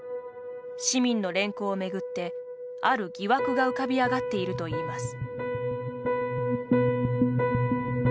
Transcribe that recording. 市民の連行を巡って、ある疑惑が浮かび上がっているといいます。